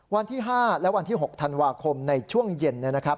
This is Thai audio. วันที่๕และวันที่๖ธันวาคมในช่วงเย็นนะครับ